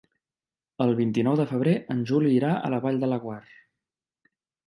El vint-i-nou de febrer en Juli irà a la Vall de Laguar.